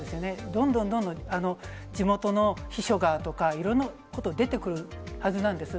どんどんどんどん、地元の秘書がとか、いろんなことが出てくるはずなんです。